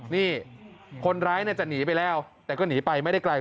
นี่คนร้ายจะหนีไปแล้วแต่ก็หนีไปไม่ได้ไกล